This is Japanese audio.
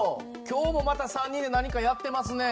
今日もまた３人で何かやってますね？